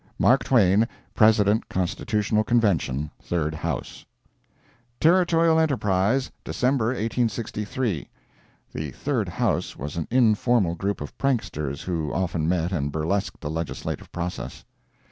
MARK TWAIN President Constitutional Convention (Third House) Territorial Enterprise, December 1863 [The "Third House" was an informal group of pranksters who often met and burlesqued the legislative process.